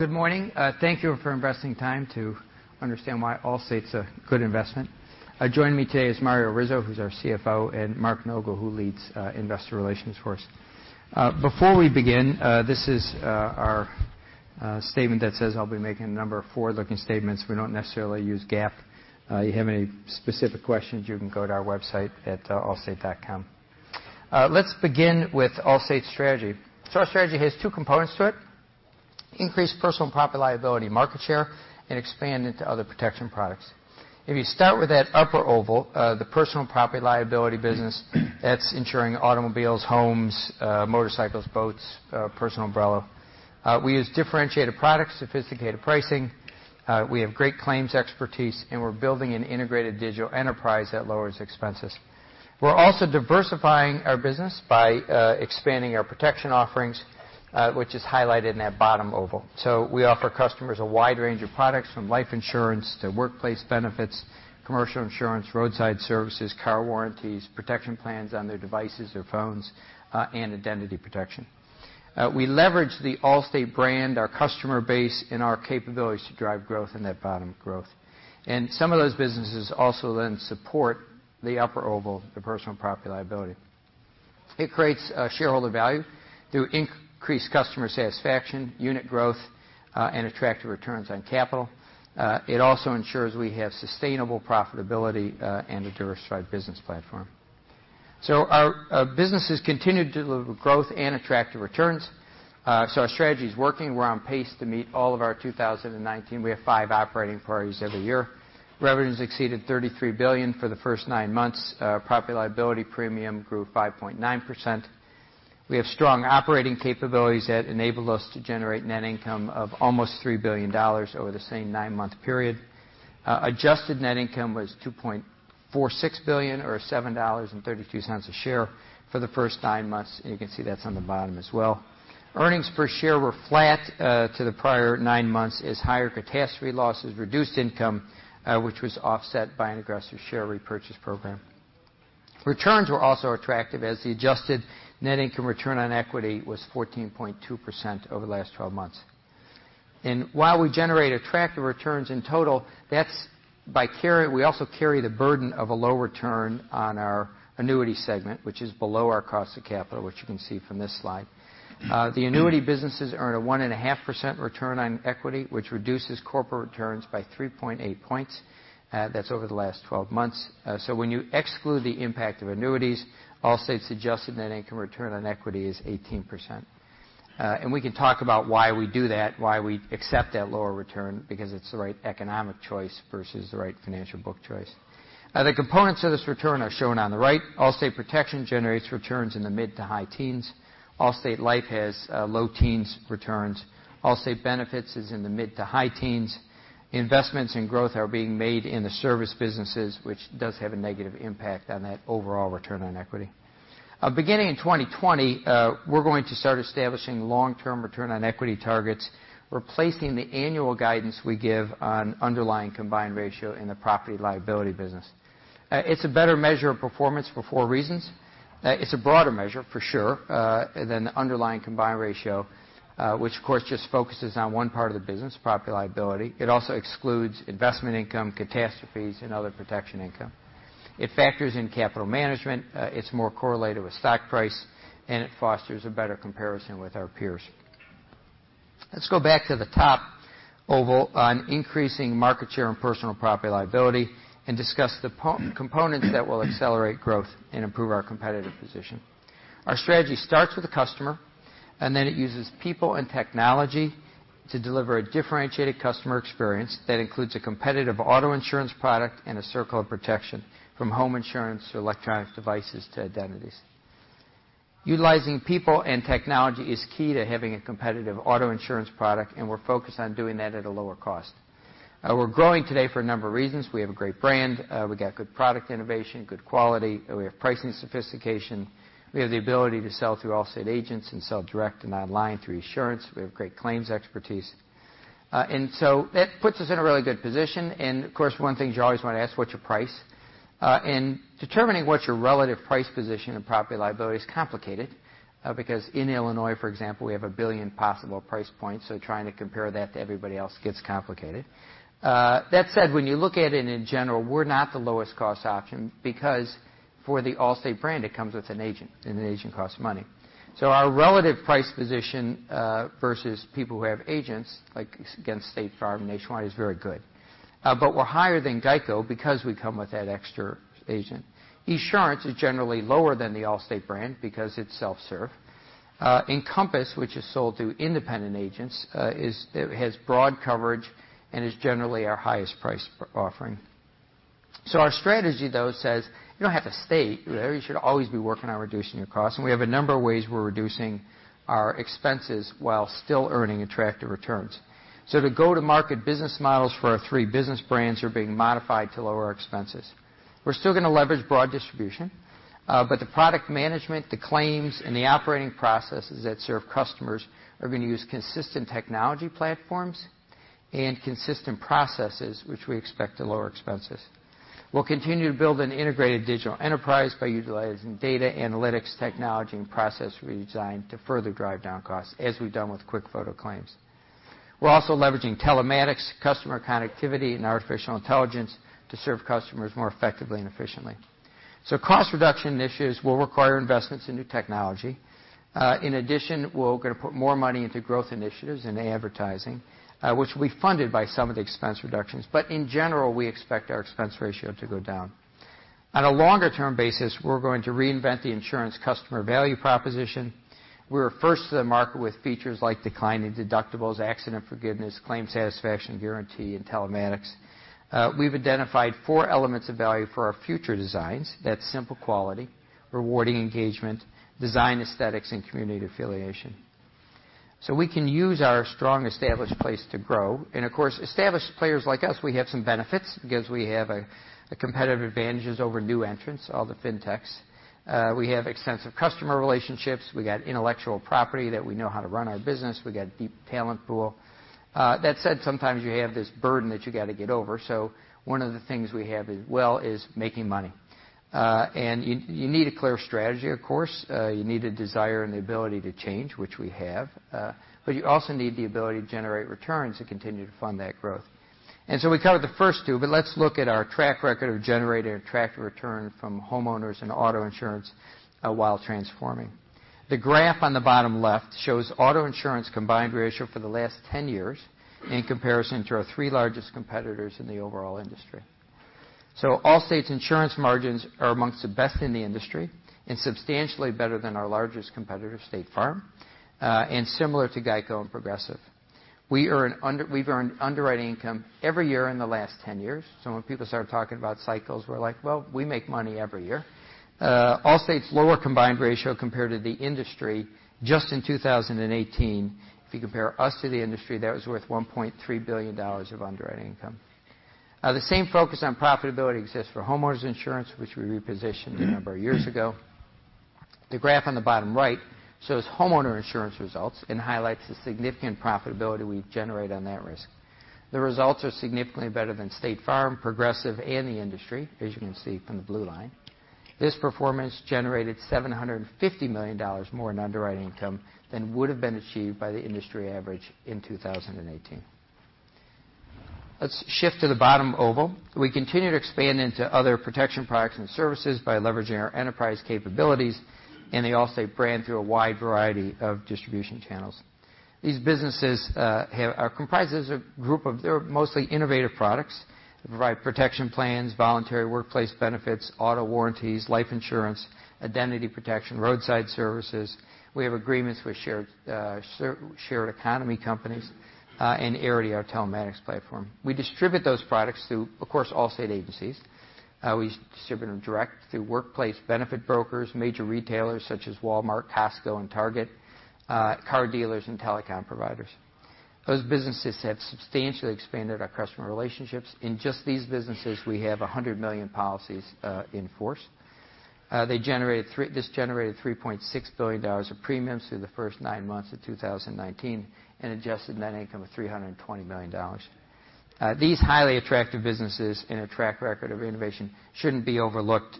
Good morning. Thank you for investing time to understand why Allstate is a good investment. Joining me today is Mario Rizzo, who is our CFO, and Mark Nogal, who leads investor relations for us. Before we begin, this is our statement that says I will be making a number of forward-looking statements. We do not necessarily use GAAP. You have any specific questions, you can go to our website at allstate.com. Let's begin with Allstate's strategy. Our strategy has two components to it, increase personal property and liability market share and expand into other protection products. If you start with that upper oval, the personal property liability business, that is insuring automobiles, homes, motorcycles, boats, personal umbrella. We use differentiated products, sophisticated pricing, we have great claims expertise, and we are building an integrated digital enterprise that lowers expenses. We are also diversifying our business by expanding our protection offerings, which is highlighted in that bottom oval. We offer customers a wide range of products from life insurance to workplace benefits, commercial insurance, roadside services, car warranties, protection plans on their devices or phones, and identity protection. We leverage the Allstate brand, our customer base, and our capabilities to drive growth in that bottom oval. Some of those businesses also then support the upper oval, the personal property liability. It creates shareholder value through increased customer satisfaction, unit growth, and attractive returns on capital. It also ensures we have sustainable profitability, and a diversified business platform. Our businesses continue to deliver growth and attractive returns. Our strategy is working. We are on pace to meet all of our 2019. We have 5 operating priorities every year. Revenues exceeded $33 billion for the first nine months. Property liability premium grew 5.9%. We have strong operating capabilities that enable us to generate net income of almost $3 billion over the same nine-month period. adjusted net income was $2.46 billion or $7.32 a share for the first nine months, and you can see that is on the bottom as well. Earnings per share were flat to the prior nine months as higher catastrophe losses reduced income, which was offset by an aggressive share repurchase program. Returns were also attractive as the adjusted net income return on equity was 14.2% over the last 12 months. While we generate attractive returns in total, we also carry the burden of a low return on our annuity segment, which is below our cost of capital, which you can see from this slide. The annuity businesses earn a 1.5% return on equity, which reduces corporate returns by 3.8 points. That is over the last 12 months. When you exclude the impact of annuities, Allstate's adjusted net income return on equity is 18%. We can talk about why we do that, why we accept that lower return, because it is the right economic choice versus the right financial book choice. The components of this return are shown on the right. Allstate Protection generates returns in the mid to high teens. Allstate Life has low teens returns. Allstate Benefits is in the mid to high teens. Investments and growth are being made in the service businesses, which does have a negative impact on that overall return on equity. Beginning in 2020, we're going to start establishing long-term return on equity targets, replacing the annual guidance we give on underlying combined ratio in the property-liability business. It's a better measure of performance for four reasons. It's a broader measure for sure, than the underlying combined ratio, which of course just focuses on one part of the business, property-liability. It also excludes investment income, catastrophes, and other protection income. It factors in capital management, it's more correlated with stock price, and it fosters a better comparison with our peers. Let's go back to the top oval on increasing market share and personal property-liability and discuss the components that will accelerate growth and improve our competitive position. Our strategy starts with the customer. Then it uses people and technology to deliver a differentiated customer experience that includes a competitive auto insurance product and a circle of protection from home insurance to electronic devices to identities. Utilizing people and technology is key to having a competitive auto insurance product, and we're focused on doing that at a lower cost. We're growing today for a number of reasons. We have a great brand. We got good product innovation, good quality. We have pricing sophistication. We have the ability to sell through Allstate agents and sell direct and online through Esurance. We have great claims expertise. So that puts us in a really good position. Of course, one of the things you always want to ask, what's your price? Determining what's your relative price position in property-liability is complicated, because in Illinois, for example, we have 1 billion possible price points, so trying to compare that to everybody else gets complicated. That said, when you look at it in general, we're not the lowest cost option because for the Allstate brand, it comes with an agent, and an agent costs money. Our relative price position, versus people who have agents, like against State Farm, Nationwide, is very good. We're higher than GEICO because we come with that extra agent. Esurance is generally lower than the Allstate brand because it's self-serve. Encompass, which is sold through independent agents, has broad coverage and is generally our highest priced offering. Our strategy though says you don't have to stay. You should always be working on reducing your costs. We have a number of ways we're reducing our expenses while still earning attractive returns. The go-to-market business models for our three business brands are being modified to lower our expenses. We're still going to leverage broad distribution, but the product management, the claims, and the operating processes that serve customers are going to use consistent technology platforms and consistent processes, which we expect to lower expenses. We'll continue to build an integrated digital enterprise by utilizing data analytics, technology, and process redesign to further drive down costs, as we've done with QuickFoto claims. We're also leveraging telematics, customer connectivity, and artificial intelligence to serve customers more effectively and efficiently. Cost reduction initiatives will require investments in new technology. In addition, we're going to put more money into growth initiatives and advertising, which will be funded by some of the expense reductions. In general, we expect our expense ratio to go down. On a longer-term basis, we're going to reinvent the insurance customer value proposition. We were first to the market with features like Declining Deductibles, Accident Forgiveness, Claim Satisfaction Guarantee, and telematics. We've identified four elements of value for our future designs. That's simple quality, rewarding engagement, design aesthetics, and community affiliation. We can use our strong, established place to grow. Of course, established players like us, we have some benefits because we have competitive advantages over new entrants, all the fintechs. We have extensive customer relationships. We got intellectual property that we know how to run our business. We got a deep talent pool. That said, sometimes you have this burden that you got to get over. One of the things we have as well is making money. You need a clear strategy, of course. You need the desire and the ability to change, which we have. You also need the ability to generate returns to continue to fund that growth. We covered the first two, but let's look at our track record of generating attractive return from home insurance and auto insurance while transforming. The graph on the bottom left shows auto insurance combined ratio for the last 10 years in comparison to our three largest competitors in the overall industry. Allstate's insurance margins are amongst the best in the industry and substantially better than our largest competitor, State Farm, and similar to GEICO and Progressive. We've earned underwriting income every year in the last 10 years. When people start talking about cycles, we're like, "Well, we make money every year." Allstate's lower combined ratio compared to the industry just in 2018, if you compare us to the industry, that was worth $1.3 billion of underwriting income. The same focus on profitability exists for home insurance, which we repositioned a number of years ago. The graph on the bottom right shows home insurance results and highlights the significant profitability we generate on that risk. The results are significantly better than State Farm, Progressive, and the industry, as you can see from the blue line. This performance generated $750 million more in underwriting income than would've been achieved by the industry average in 2018. Let's shift to the bottom oval. We continue to expand into other protection products and services by leveraging our enterprise capabilities and the Allstate brand through a wide variety of distribution channels. These businesses are comprised as a group of mostly innovative products that provide Allstate Protection Plans, voluntary workplace benefits, auto warranties, life insurance, Allstate Identity Protection, roadside services. We have agreements with shared economy companies, and Arity, our telematics platform. We distribute those products through, of course, Allstate agencies. We distribute them direct through workplace benefit brokers, major retailers such as Walmart, Costco, and Target, car dealers, and telecom providers. Those businesses have substantially expanded our customer relationships. In just these businesses, we have 100 million policies in force. This generated $3.6 billion of premiums through the first nine months of 2019, and adjusted net income of $320 million. These highly attractive businesses and a track record of innovation shouldn't be overlooked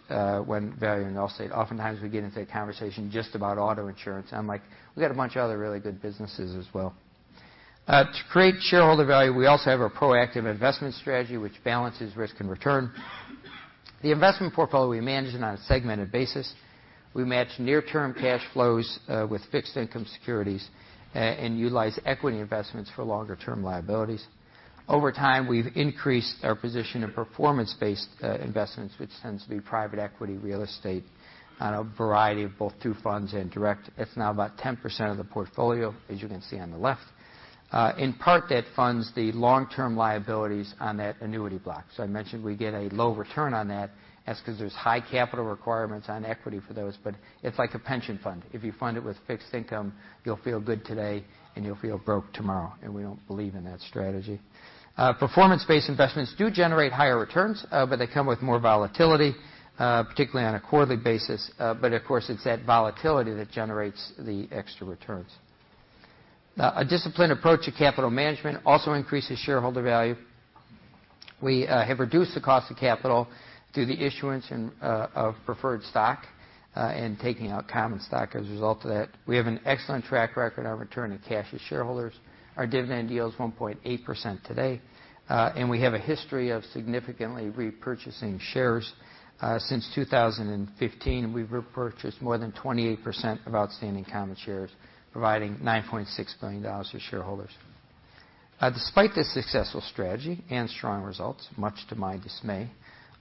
when valuing Allstate. Oftentimes, we get into a conversation just about auto insurance, and I'm like, "We've got a bunch of other really good businesses as well." To create shareholder value, we also have a proactive investment strategy which balances risk and return. The investment portfolio will be managed on a segmented basis. We match near-term cash flows with fixed income securities and utilize equity investments for longer-term liabilities. Over time, we've increased our position in performance-based investments, which tends to be private equity, real estate, on a variety of both through funds and direct. It's now about 10% of the portfolio, as you can see on the left. In part, that funds the long-term liabilities on that annuity block. I mentioned we get a low return on that. That's because there's high capital requirements on equity for those, but it's like a pension fund. If you fund it with fixed income, you'll feel good today, and you'll feel broke tomorrow, and we don't believe in that strategy. Performance-based investments do generate higher returns, but they come with more volatility, particularly on a quarterly basis. Of course, it's that volatility that generates the extra returns. A disciplined approach to capital management also increases shareholder value. We have reduced the cost of capital through the issuance of preferred stock, and taking out common stock as a result of that. We have an excellent track record on return of cash to shareholders. Our dividend yield is 1.8% today. We have a history of significantly repurchasing shares. Since 2015, we've repurchased more than 28% of outstanding common shares, providing $9.6 billion to shareholders. Despite this successful strategy and strong results, much to my dismay,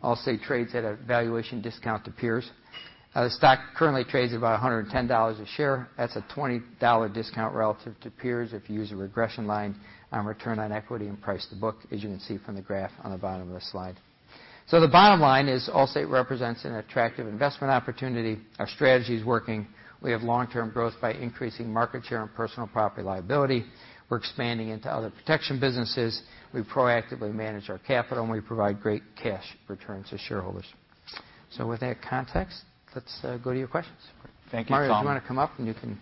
Allstate trades at a valuation discount to peers. The stock currently trades at about $110 a share. That's a $20 discount relative to peers if you use a regression line on return on equity and price to book, as you can see from the graph on the bottom of the slide. The bottom line is Allstate represents an attractive investment opportunity. Our strategy is working. We have long-term growth by increasing market share and personal property liability. We're expanding into other protection businesses. We proactively manage our capital, and we provide great cash returns to shareholders. With that context, let's go to your questions. Thank you, Tom. Mario, do you want to come up and you can.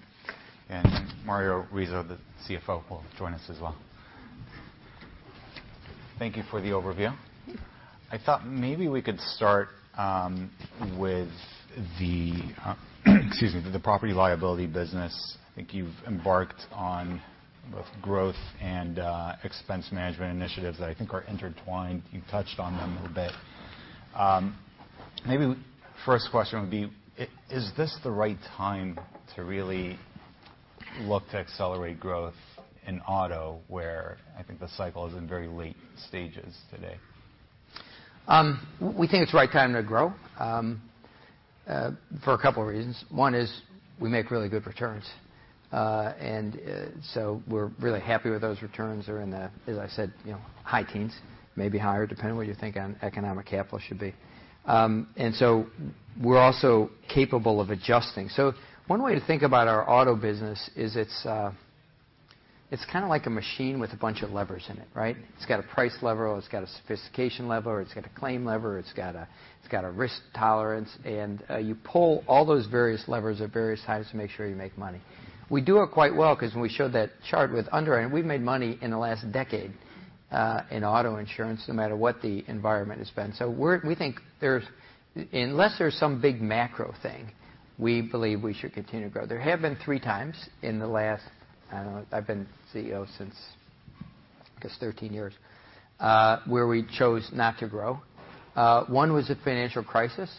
Mario Rizzo, the CFO, will join us as well. Thank you for the overview. I thought maybe we could start with the, excuse me, the property liability business. I think you've embarked on both growth and expense management initiatives that I think are intertwined. You touched on them a little bit. Maybe first question would be, is this the right time to really look to accelerate growth in auto, where I think the cycle is in very late stages today? We think it's the right time to grow, for a couple of reasons. One is, we make really good returns. We're really happy with those returns. They're in the, as I said, high teens, maybe higher, depending on what you think economic capital should be. We're also capable of adjusting. One way to think about our auto business is it's kind of like a machine with a bunch of levers in it, right? It's got a price lever, it's got a sophistication lever, it's got a claim lever, it's got a risk tolerance. You pull all those various levers at various times to make sure you make money. We do it quite well because when we showed that chart with underwriting, we've made money in the last decade, in auto insurance, no matter what the environment has been. We think unless there's some big macro thing, we believe we should continue to grow. There have been three times in the last, I don't know, I've been CEO since, I guess, 13 years, where we chose not to grow. One was the financial crisis.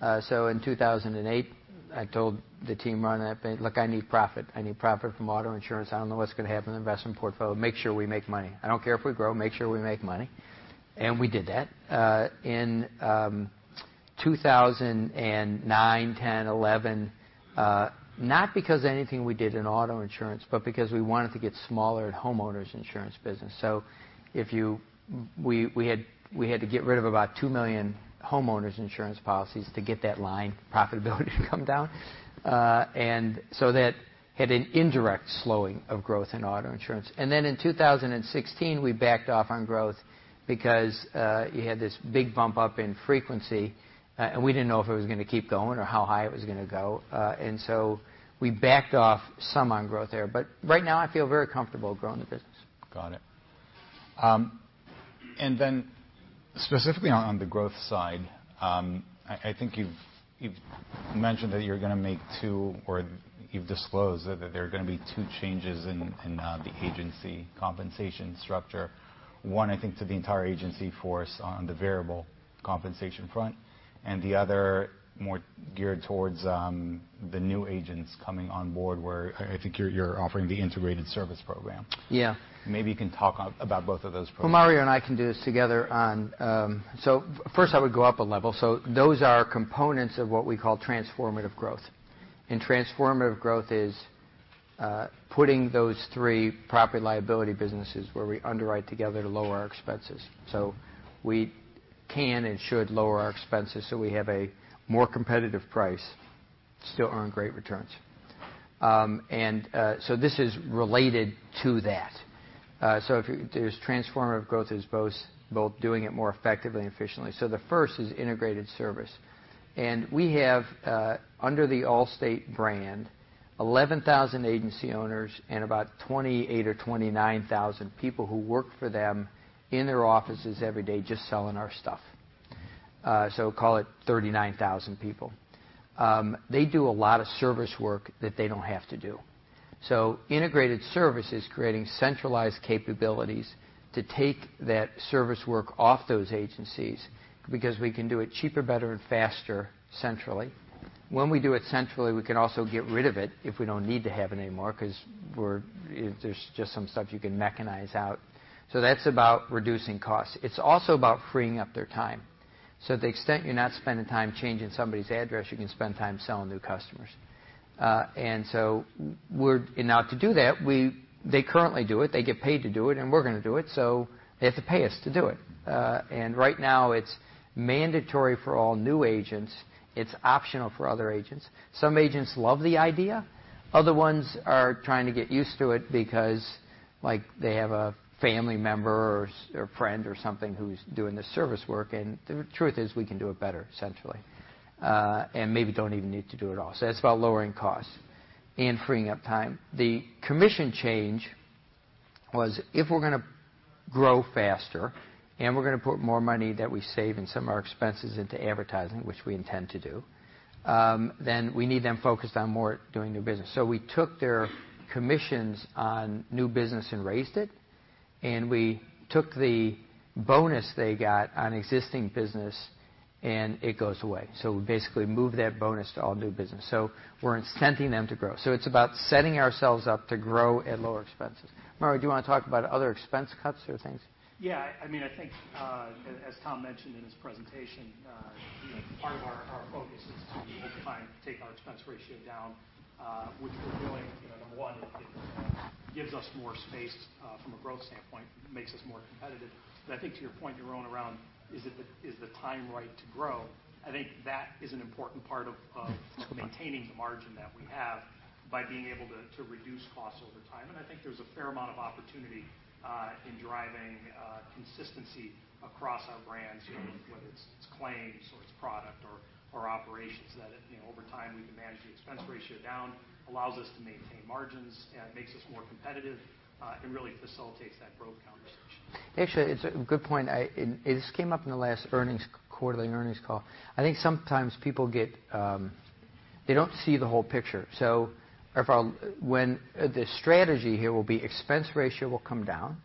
In 2008, I told the team right up, "Look, I need profit. I need profit from auto insurance. I don't know what's going to happen in investment portfolio. Make sure we make money. I don't care if we grow, make sure we make money." We did that. In 2009, 2010, 2011, not because anything we did in auto insurance, but because we wanted to get smaller at homeowners insurance business. We had to get rid of about 2 million homeowners insurance policies to get that line profitability to come down. That had an indirect slowing of growth in auto insurance. In 2016, we backed off on growth because you had this big bump up in frequency. We didn't know if it was going to keep going or how high it was going to go. We backed off some on growth there. Right now I feel very comfortable growing the business. Got it. Specifically on the growth side, I think you've mentioned that you're going to make two, or you've disclosed that there are going to be two changes in the agency compensation structure. One, I think to the entire agency force on the variable compensation front, and the other more geared towards the new agents coming on board, where I think you're offering the integrated service program. Yeah. Maybe you can talk about both of those programs. Mario and I can do this together. First I would go up a level. Those are components of what we call Transformative Growth. Transformative Growth is putting those three property-liability businesses where we underwrite together to lower our expenses. We can and should lower our expenses so we have a more competitive price, still earn great returns. This is related to that. Transformative Growth is both doing it more effectively and efficiently. The first is Integrated Service. We have, under the Allstate brand, 11,000 agency owners and about 28,000 or 29,000 people who work for them in their offices every day just selling our stuff. Call it 39,000 people. They do a lot of service work that they don't have to do. Integrated Service is creating centralized capabilities to take that service work off those agencies because we can do it cheaper, better, and faster centrally. When we do it centrally, we can also get rid of it if we don't need to have it anymore, because there's just some stuff you can mechanize out. That's about reducing costs. It's also about freeing up their time. To the extent you're not spending time changing somebody's address, you can spend time selling new customers. Now to do that, they currently do it, they get paid to do it, and we're going to do it, so they have to pay us to do it. Right now it's mandatory for all new agents. It's optional for other agents. Some agents love the idea. Other ones are trying to get used to it because they have a family member or friend or something who's doing the service work, and the truth is, we can do it better centrally. Maybe don't even need to do it all. That's about lowering costs and freeing up time. The commission change was, if we're going to grow faster and we're going to put more money that we save in some of our expenses into advertising, which we intend to do, then we need them focused on more doing new business. We took their commissions on new business and raised it, and we took the bonus they got on existing business and it goes away. We basically moved that bonus to all new business. We're incenting them to grow. It's about setting ourselves up to grow at lower expenses. Mario, do you want to talk about other expense cuts or things? Yeah. I think, as Tom mentioned in his presentation, part of our focus is to over time take our expense ratio down, which we're doing. Number one is, gives us more space, from a growth standpoint, makes us more competitive. I think to your point, Yaron, around is the time right to grow, I think that is an important part of maintaining the margin that we have by being able to reduce costs over time. I think there's a fair amount of opportunity in driving consistency across our brands. Whether it's claims or it's product or operations, that over time, we can manage the expense ratio down, allows us to maintain margins, makes us more competitive, and really facilitates that growth conversation. Actually, it's a good point. This came up in the last quarterly earnings call. I think sometimes people don't see the whole picture. Irfan, when the strategy here will be expense ratio will come down,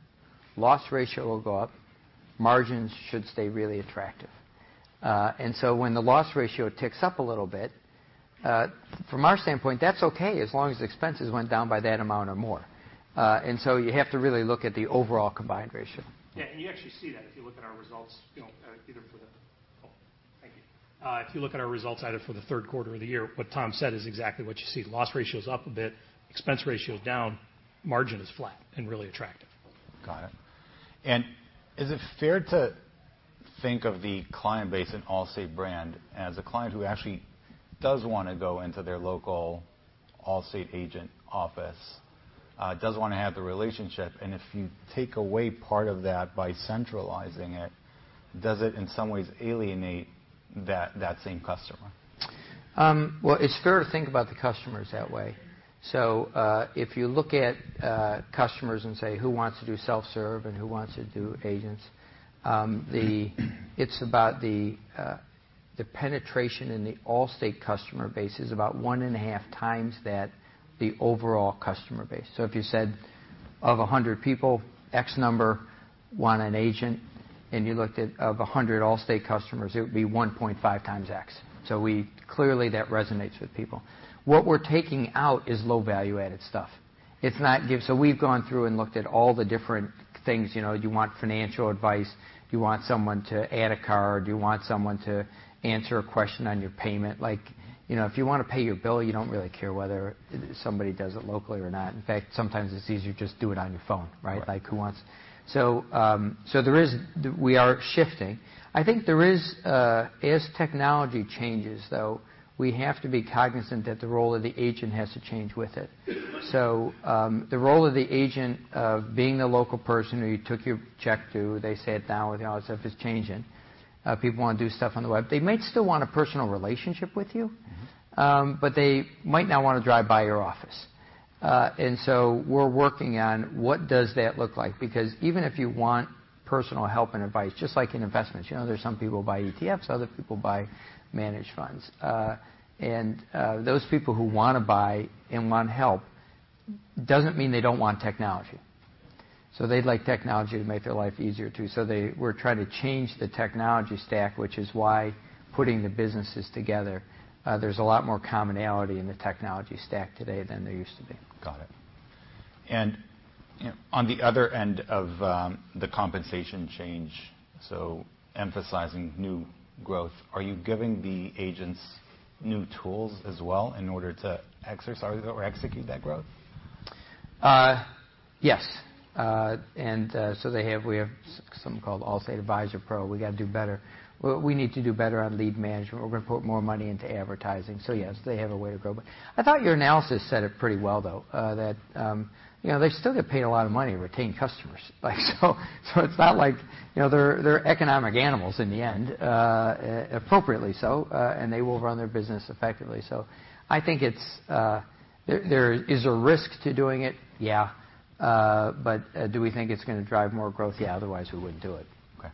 loss ratio will go up, margins should stay really attractive. When the loss ratio ticks up a little bit, from our standpoint, that's okay as long as expenses went down by that amount or more. You have to really look at the overall combined ratio. Yeah, you actually see that if you look at our results. Oh, thank you. If you look at our results either for the third quarter of the year, what Tom said is exactly what you see. The loss ratio is up a bit, expense ratio is down, margin is flat and really attractive. Got it. Is it fair to think of the client base in Allstate brand as a client who actually does want to go into their local Allstate agent office, does want to have the relationship, and if you take away part of that by centralizing it, does it in some ways alienate that same customer? Well, it's fair to think about the customers that way. If you look at customers and say who wants to do self-serve and who wants to do agents. It's about the penetration in the Allstate customer base is about 1.5 times that the overall customer base. If you said of 100 people, X number want an agent, and you looked at of 100 Allstate customers, it would be 1.5 times X. Clearly, that resonates with people. What we're taking out is low value-added stuff. We've gone through and looked at all the different things. You want financial advice, you want someone to add a card, you want someone to answer a question on your payment. If you want to pay your bill, you don't really care whether somebody does it locally or not. In fact, sometimes it's easier to just do it on your phone, right? Right. We are shifting. I think there is, as technology changes, though, we have to be cognizant that the role of the agent has to change with it. The role of the agent of being the local person who you took your check to, they say it now with the Allstate, is changing. People want to do stuff on the web. They might still want a personal relationship with you. They might not want to drive by your office. We're working on what does that look like. Because even if you want personal help and advice, just like in investments, there's some people who buy ETFs, other people buy managed funds. Those people who want to buy and want help doesn't mean they don't want technology. They'd like technology to make their life easier, too. We're trying to change the technology stack, which is why putting the businesses together, there's a lot more commonality in the technology stack today than there used to be. Got it. On the other end of the compensation change, so emphasizing new growth, are you giving the agents new tools as well in order to exercise or execute that growth? Yes. We have something called Allstate Advisor Pro. We got to do better. We need to do better on lead management. We're going to put more money into advertising. Yes, they have a way to grow. I thought your analysis said it pretty well, though, that they still get paid a lot of money to retain customers. They're economic animals in the end, appropriately so, and they will run their business effectively. I think there is a risk to doing it, yeah. Do we think it's going to drive more growth? Yeah, otherwise we wouldn't do it. Okay.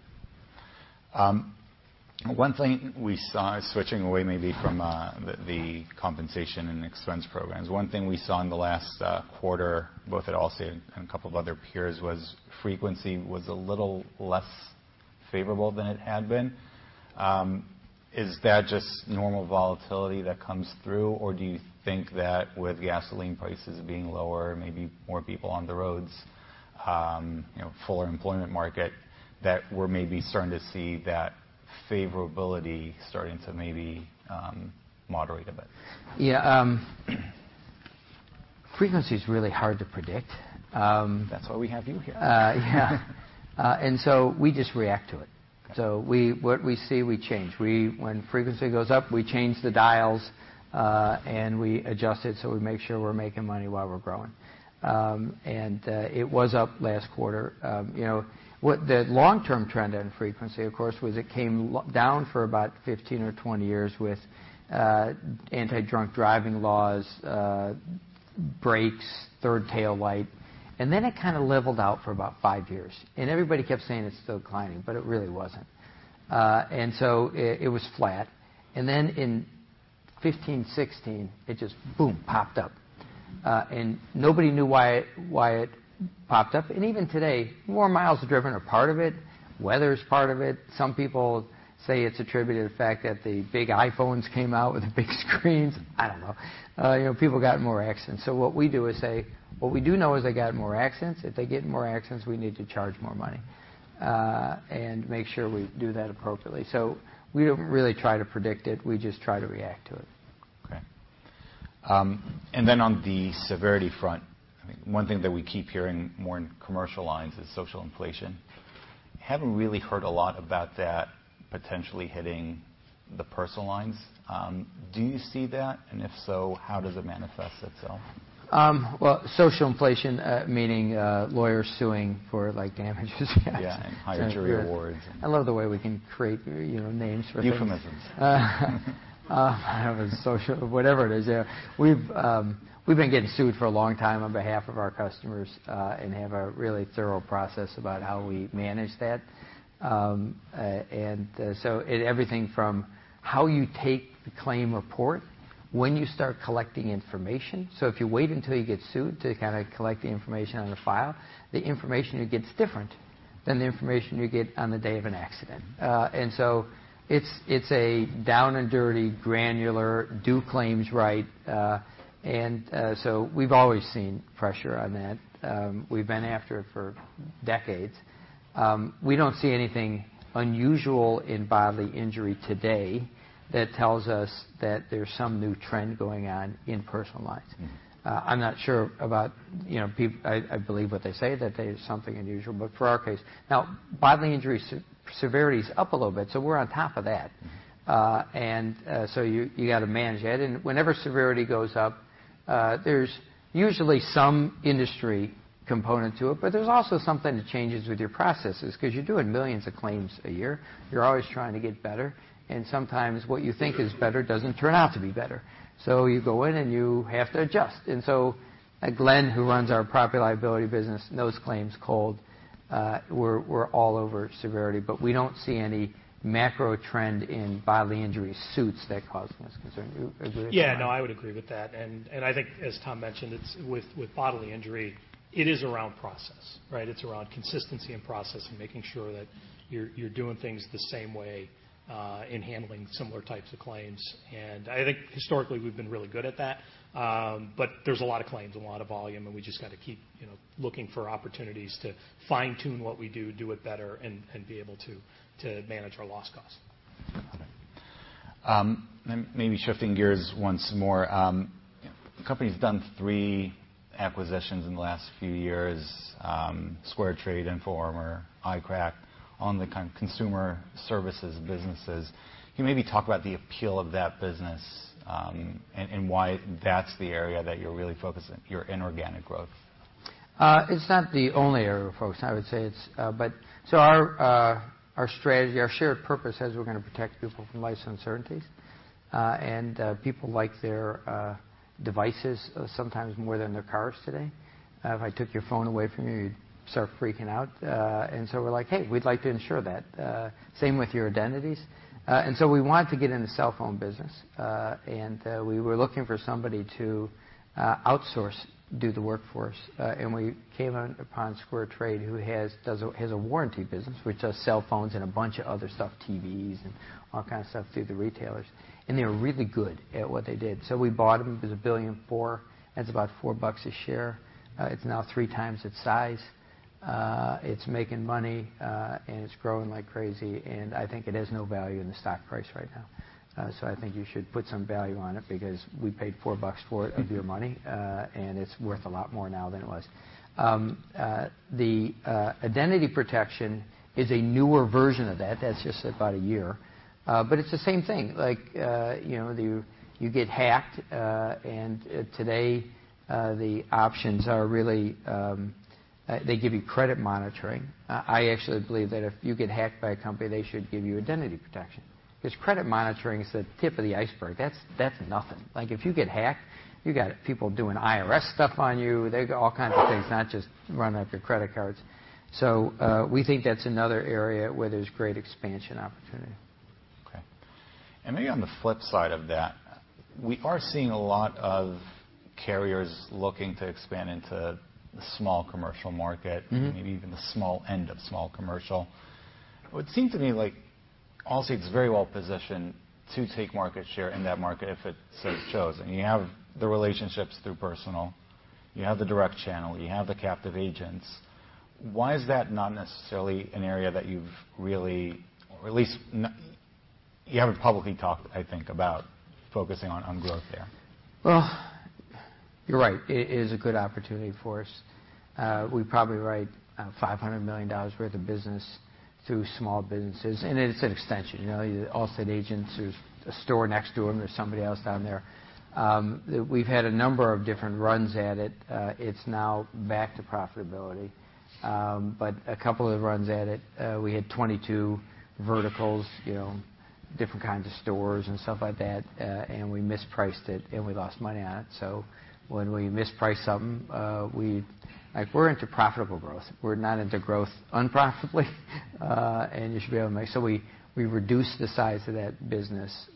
One thing we saw, switching away maybe from the compensation and expense programs, one thing we saw in the last quarter, both at Allstate and a couple of other peers, was frequency was a little less favorable than it had been. Is that just normal volatility that comes through, or do you think that with gasoline prices being lower, maybe more people on the roads, fuller employment market, that we're maybe starting to see that favorability starting to maybe moderate a bit? Yeah. Frequency's really hard to predict. That's why we have you here. Yeah. We just react to it. Okay. What we see, we change. When frequency goes up, we change the dials, and we adjust it, so we make sure we're making money while we're growing. It was up last quarter. What the long-term trend in frequency, of course, was it came down for about 15 or 20 years with anti-drunk driving laws, brakes, third tail light, and then it kind of leveled out for about five years. Everybody kept saying it's still climbing, but it really wasn't. It was flat. In 2015, 2016, it just, boom, popped up. Nobody knew why it popped up. Even today, more miles driven are part of it, weather's part of it. Some people say it's attributed to the fact that the big iPhones came out with the big screens. I don't know. People got more accidents. What we do is say, what we do know is they got in more accidents. If they get in more accidents, we need to charge more money, and make sure we do that appropriately. We don't really try to predict it, we just try to react to it. Okay. On the severity front, one thing that we keep hearing more in commercial lines is social inflation. Haven't really heard a lot about that potentially hitting the personal lines. Do you see that? If so, how does it manifest itself? Social inflation, meaning, lawyers suing for damages. Yeah. Higher jury awards. I love the way we can create names for things. Euphemisms. Social, whatever it is, yeah. We've been getting sued for a long time on behalf of our customers, and have a really thorough process about how we manage that. Everything from how you take the claim report, when you start collecting information. If you wait until you get sued to collect the information on the file, the information you get is different than the information you get on the day of an accident. It's a down and dirty, granular, do claims right. We've always seen pressure on that. We've been after it for decades. We don't see anything unusual in bodily injury today that tells us that there's some new trend going on in personal lines. I believe what they say, that there is something unusual. For our case, now, bodily injury severity's up a little bit, so we're on top of that. You've got to manage that. Whenever severity goes up, there's usually some industry component to it, but there's also something that changes with your processes because you're doing millions of claims a year. You're always trying to get better, and sometimes what you think is better doesn't turn out to be better. You go in, and you have to adjust. Glenn, who runs our Property-Liability business, knows claims cold. We're all over severity, but we don't see any macro trend in bodily injury suits that cause us concern. Do you agree with that? Yeah, no, I would agree with that. I think as Tom mentioned, with bodily injury, it is around process, right? It's around consistency in process and making sure that you're doing things the same way in handling similar types of claims. I think historically, we've been really good at that. There's a lot of claims, a lot of volume, and we just got to keep looking for opportunities to fine tune what we do it better, and be able to manage our loss cost. Okay. Maybe shifting gears once more. Company's done three acquisitions in the last few years. SquareTrade, InfoArmor, iCracked, on the kind of consumer services businesses. Can you maybe talk about the appeal of that business, and why that's the area that you're really focusing your inorganic growth? It's not the only area of focus, I would say. Our strategy, our shared purpose, says we're going to protect people from life's uncertainties. People like their devices sometimes more than their cars today. If I took your phone away from you'd start freaking out. We're like, "Hey, we'd like to insure that." Same with your identities. We wanted to get in the cellphone business. We were looking for somebody to outsource, do the workforce. We came upon SquareTrade, who has a warranty business, which does cellphones and a bunch of other stuff, TVs and all kinds of stuff through the retailers. They were really good at what they did, so we bought them. It was $1.4 billion. That's about $4 a share. It's now three times its size. It's making money, and it's growing like crazy, and I think it has no value in the stock price right now. I think you should put some value on it because we paid $4 for it of your money, and it's worth a lot more now than it was. The identity protection is a newer version of that. That's just about a year. It's the same thing. Like, you get hacked, and today, the options are really, they give you credit monitoring. I actually believe that if you get hacked by a company, they should give you identity protection because credit monitoring is the tip of the iceberg. That's nothing. If you get hacked, you got people doing IRS stuff on you. They do all kinds of things, not just run up your credit cards. We think that's another area where there's great expansion opportunity. Okay. Maybe on the flip side of that, we are seeing a lot of carriers looking to expand into the small commercial market. Maybe even the small end of small commercial. It would seem to me like Allstate's very well-positioned to take market share in that market if it so chose. You have the relationships through personal, you have the direct channel, you have the captive agents. Why is that not necessarily an area that you've really, or at least you haven't publicly talked, I think, about focusing on growth there? Well, you're right. It is a good opportunity for us. We probably write $500 million worth of business through small businesses, and it's an extension. Allstate agents, there's a store next to them, there's somebody else down there. We've had a number of different runs at it. It's now back to profitability. A couple of runs at it, we had 22 verticals, different kinds of stores and stuff like that, and we mispriced it, and we lost money on it. When we misprice something, we're into profitable growth. We're not into growth unprofitably. You should be able to make. We reduced the size of that business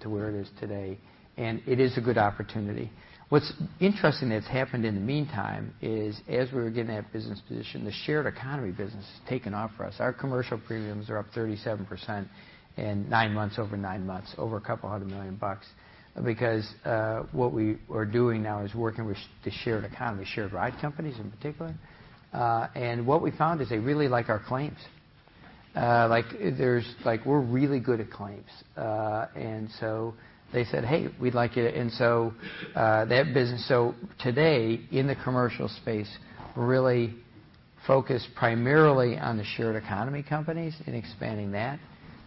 to where it is today, and it is a good opportunity. What's interesting that's happened in the meantime is as we were getting that business positioned, the shared economy business has taken off for us. Our commercial premiums are up 37% in nine months, over nine months, over $200 million. What we are doing now is working with the shared economy, shared ride companies in particular. What we found is they really like our claims. Like we're really good at claims. They said, "Hey, we'd like you to" That business, so today in the commercial space, we're really focused primarily on the shared economy companies and expanding that.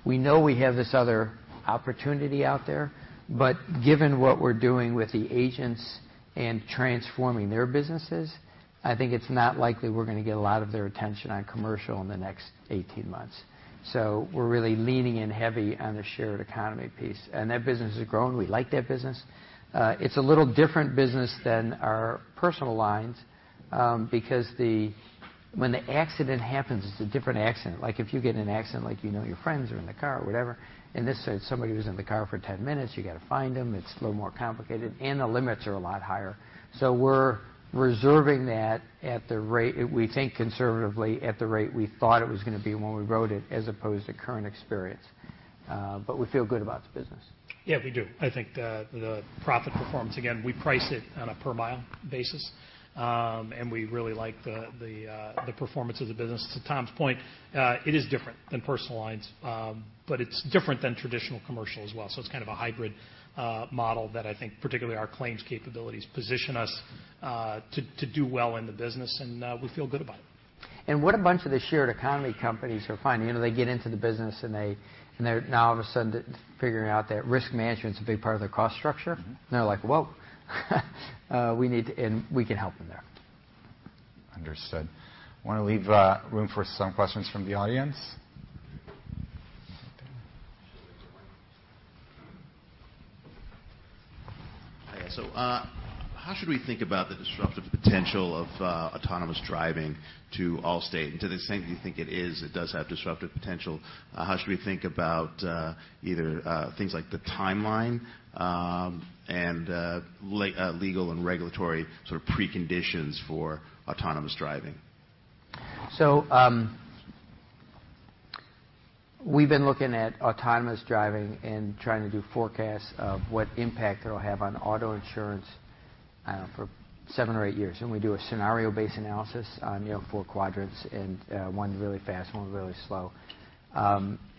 We know we have this other opportunity out there, but given what we're doing with the agents and transforming their businesses, I think it's not likely we're going to get a lot of their attention on commercial in the next 18 months. We're really leaning in heavy on the shared economy piece, and that business is growing. We like that business. It's a little different business than our personal lines, because when the accident happens, it's a different accident. If you get in an accident, like your friends are in the car or whatever, in this case, somebody was in the car for 10 minutes, you've got to find them. It's a little more complicated, and the limits are a lot higher. We're reserving that at the rate, we think conservatively, at the rate we thought it was going to be when we wrote it as opposed to current experience. We feel good about the business. Yeah, we do. I think the profit performance, again, we price it on a per mile basis. We really like the performance of the business. To Tom's point, it is different than personal lines. It's different than traditional commercial as well, it's kind of a hybrid model that I think particularly our claims capabilities position us to do well in the business, and we feel good about it. What a bunch of the shared economy companies are finding, they get into the business, and they're now all of a sudden figuring out that risk management's a big part of their cost structure. They're like, "Whoa, we need to" We can help them there. Understood. Want to leave room for some questions from the audience. How should we think about the disruptive potential of autonomous driving to Allstate? To the extent that you think it is, it does have disruptive potential, how should we think about either things like the timeline, and legal and regulatory sort of preconditions for autonomous driving? We've been looking at autonomous driving and trying to do forecasts of what impact it'll have on auto insurance for seven or eight years. We do a scenario-based analysis on four quadrants, and one really fast, and one really slow.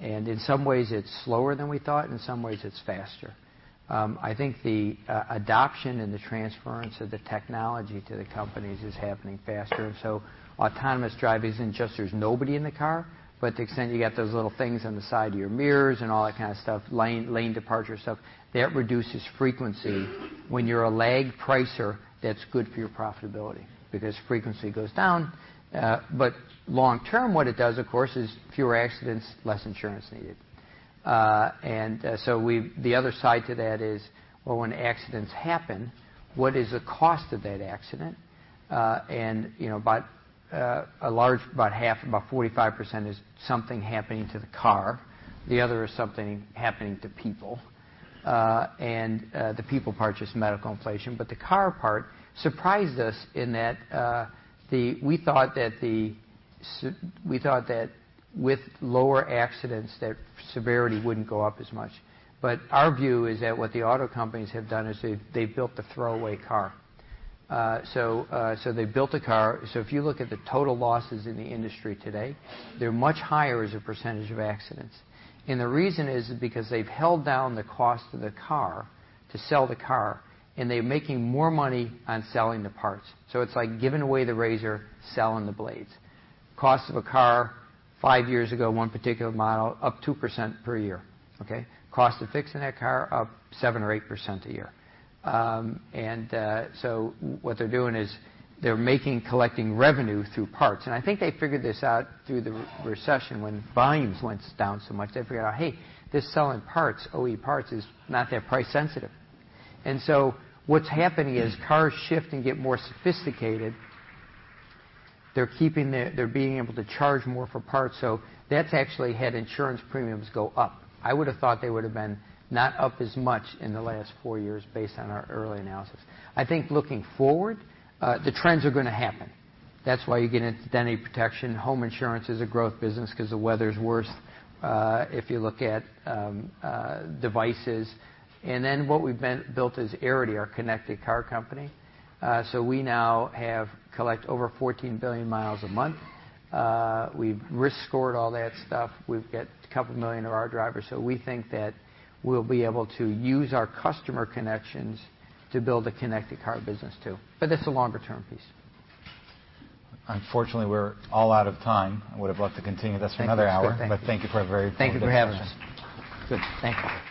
In some ways, it's slower than we thought. In some ways, it's faster. I think the adoption and the transference of the technology to the companies is happening faster. Autonomous drive isn't just there's nobody in the car, but to the extent you got those little things on the side of your mirrors and all that kind of stuff, lane departure stuff, that reduces frequency. When you're a lag pricer, that's good for your profitability because frequency goes down. Long term, what it does, of course, is fewer accidents, less insurance needed. The other side to that is, well, when accidents happen, what is the cost of that accident? About half, about 45% is something happening to the car. The other is something happening to people. The people part is just medical inflation, but the car part surprised us in that we thought that with lower accidents, that severity wouldn't go up as much. Our view is that what the auto companies have done is they've built the throwaway car. They've built a car, so if you look at the total losses in the industry today, they're much higher as a percentage of accidents. The reason is because they've held down the cost of the car to sell the car, and they're making more money on selling the parts. It's like giving away the razor, selling the blades. Cost of a car five years ago, one particular model, up 2% per year, okay? Cost of fixing that car up 7% or 8% a year. What they're doing is they're making, collecting revenue through parts, and I think they figured this out through the recession when volumes went down so much. They figured out, hey, this selling parts, OEM parts, is not that price sensitive. What's happening is cars shift and get more sophisticated. They're being able to charge more for parts, so that's actually had insurance premiums go up. I would've thought they would've been not up as much in the last four years based on our early analysis. I think looking forward, the trends are going to happen. That's why you get into identity protection. home insurance is a growth business because the weather's worse. If you look at devices, what we've built is Arity, our connected car company. We now collect over 14 billion miles a month. We've risk scored all that stuff. We've got a couple million of our drivers. We think that we'll be able to use our customer connections to build a connected car business, too. That's a longer-term piece. Unfortunately, we're all out of time. I would've loved to continue this for another hour. Thank you. It's good. Thank you. Thank you for a very good presentation. Thank you for having us. Good. Thank you.